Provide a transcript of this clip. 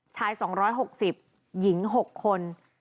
ชาย๒๖๐หญิง๖คน